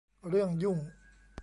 เรื่องยุ่ง